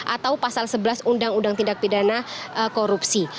atau pasal sebelas undang undang tindak pidana korupsi